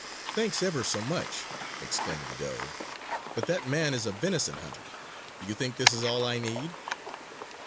"Thanks ever so much," exclaimed the doe. "But that man is a venison hunter! Do you think this is all I need?"